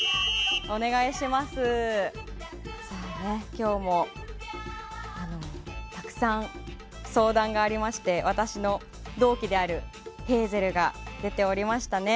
今日もたくさん相談がありまして私の同期であるヘイゼルが出ておりましたね。